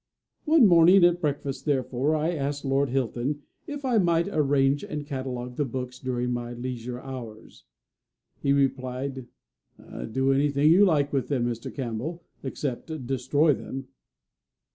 One morning at breakfast, therefore, I asked Lord Hilton if I might arrange and catalogue the books during my leisure hours. He replied: "Do anything you like with them, Mr. Campbell, except destroy them."